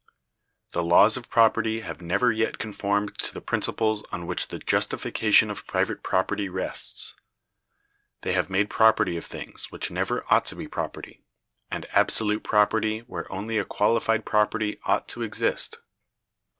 The laws of property have never yet conformed to the principles on which the justification of private property rests. They have made property of things which never ought to be property, and absolute property where only a qualified property ought to exist.